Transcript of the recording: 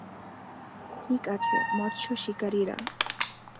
ঠিক আছে, মৎসশিকারিরা!